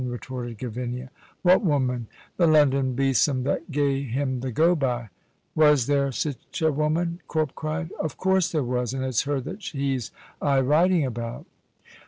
retorted Gavinia. "What woman?" "The London besom that gae him the go by." "Was there sic a woman!" Corp cried. "Of course there was, and it's her that he's aye writing about."